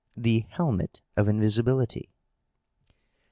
the helmet of invisibility."